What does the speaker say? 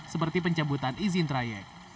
seperti penjemputan izin trayek